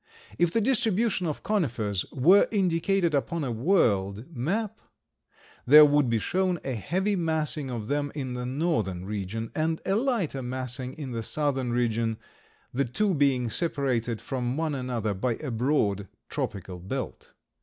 If the distribution of Conifers were indicated upon a world map, there would be shown a heavy massing of them in the northern region and a lighter massing in the southern region, the two being separated from one another by a broad tropical belt.